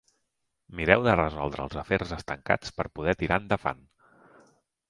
Mireu de resoldre els afers estancats per poder tirar endavant.